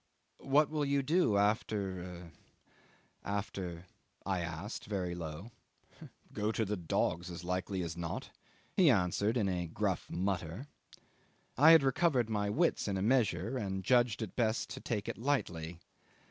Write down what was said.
"What will you do after after ..." I asked very low. "Go to the dogs as likely as not," he answered in a gruff mutter. I had recovered my wits in a measure, and judged best to take it lightly.